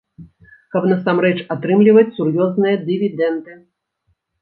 Каб насамрэч атрымліваць сур'ёзныя дывідэнды.